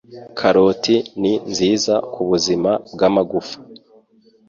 Karoti ni nziza ku buzima bw'amagufa